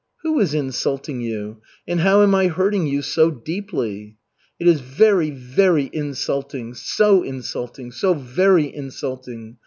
"Who is insulting you? And how am I hurting you so deeply?" "It is very very insulting. So insulting, so very insulting!